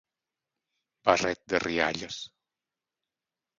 Barret de rialles.